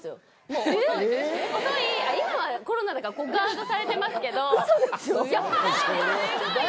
遅い今はコロナだからこうガードされてますけど。